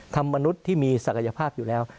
มนุษย์ที่มีศักยภาพอยู่แล้ว